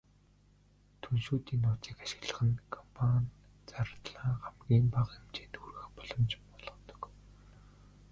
Түншүүдийн нууцыг ашиглах нь компани зардлаа хамгийн бага хэмжээнд хүргэх боломж олгодог.